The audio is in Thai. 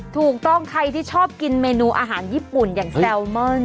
ถูกต้องใครที่ชอบกินเมนูอาหารญี่ปุ่นอย่างแซลมอน